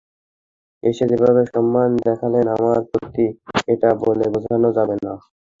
এসে যেভাবে সম্মান দেখালেন আমার প্রতি, এটা বলে বোঝানো যাবে না।